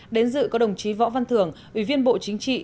đến dự có đồng chí võ văn thưởng ủy viên bộ chính trị